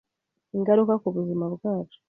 ingaruka ku buzima bwacu